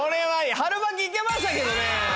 春巻き行けましたけどね。